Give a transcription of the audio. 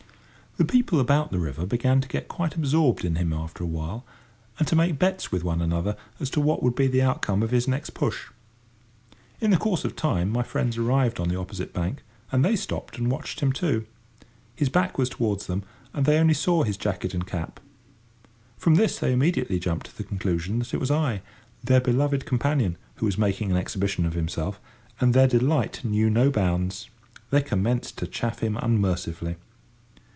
The people about the river began to get quite absorbed in him after a while, and to make bets with one another as to what would be the outcome of his next push. In the course of time my friends arrived on the opposite bank, and they stopped and watched him too. His back was towards them, and they only saw his jacket and cap. From this they immediately jumped to the conclusion that it was I, their beloved companion, who was making an exhibition of himself, and their delight knew no bounds. They commenced to chaff him unmercifully.